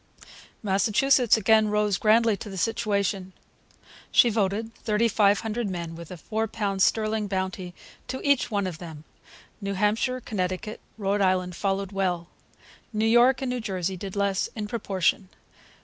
Massachusetts again rose grandly to the situation. She voted 3,500 men, with a four pound sterling bounty to each one of them. New Hampshire, Connecticut, and Rhode Island followed well. New York and New Jersey did less in proportion.